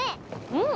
うん。